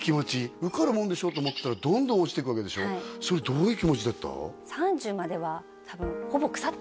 受かるもんでしょと思ってたらどんどん落ちていくわけでしょそれどういう気持ちだった？